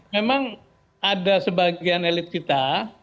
memang ada sebagian elit kita